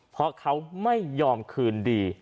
เพราะเขาไม่ยอมคืนดี